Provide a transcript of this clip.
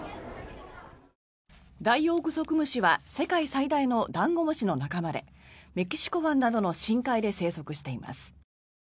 ダイオウグソクムシは世界最大のダンゴムシの仲間でメキシコ湾などの深海で生息しています。